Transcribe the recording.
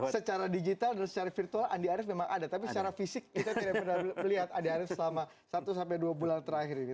secara digital dan secara virtual andi arief memang ada tapi secara fisik kita tidak pernah melihat andi arief selama satu sampai dua bulan terakhir ini